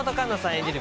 演じる